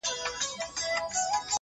قرآن’ انجیل’ تلمود’ گیتا به په قسم نیسې’